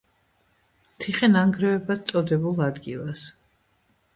ციხენანგრევებად წოდებულ ადგილას.